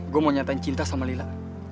gue mau nyatain cinta sama lila